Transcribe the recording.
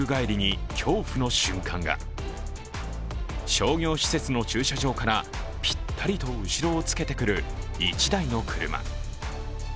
商業施設の駐車場からぴったりと後ろをつけてくる１台の車。